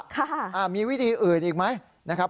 ค่ะอ่ามีวิธีอื่นอีกไหมนะครับ